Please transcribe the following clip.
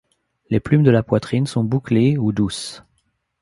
Les plumes de la poitrine sont bouclées ou douces.